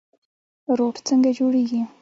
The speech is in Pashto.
روټ څنګه جوړیږي؟